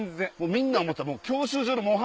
みんな思った。